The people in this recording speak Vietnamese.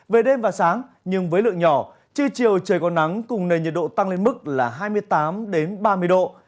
về đêm và sáng nhưng với lượng nhỏ chưa chiều trời có nắng cùng nền nhiệt độ tăng lên mức là hai mươi tám ba mươi độ